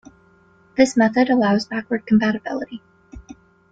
This method allows backward compatibility.